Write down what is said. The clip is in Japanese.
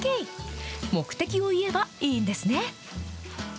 目的を言えばいいんですね。